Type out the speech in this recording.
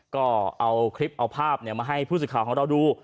ก็เอาคลิปเอาภาพมาให้ผู้สื่อข่าวของเราดู